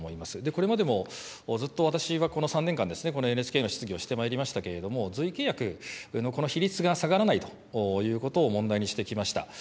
これまでもずっと私はこの３年間、このＮＨＫの質疑をしてまいりましたけれども、随意契約のこの比率が下がらないということを問題にしてきました。